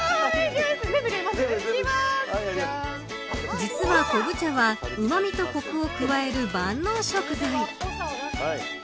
実は昆布茶は旨味と、こくを加える万能食材。